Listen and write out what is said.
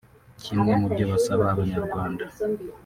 Kimwe mu byo basaba abanyarwanda